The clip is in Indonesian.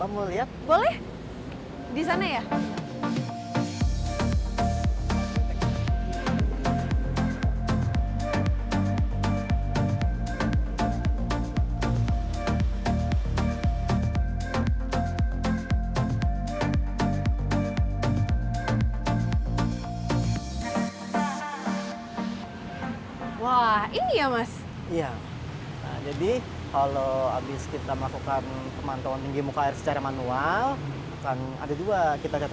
mbak mau lihat